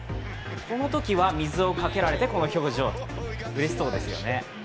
このときは、水をかけられてこの表情、うれしそうですよね。